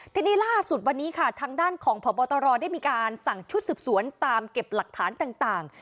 ทีนี้ล่าสุดวันนี้ค่ะทางด้านของพบตรได้มีการสั่งชุดสืบสวนตามเก็บหลักฐานต่าง